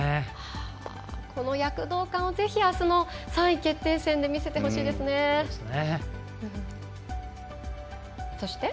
この躍動感をぜひ、あすの３位決定戦で見せてほしいですね。